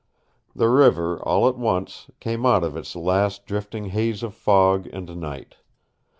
The river, all at once, came out of its last drifting haze of fog and night.